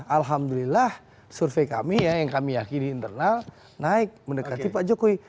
alhamdulillah survei kami ya yang kami yakini internal naik mendekati pak jokowi